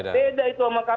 beda sama dpr itu sama dpr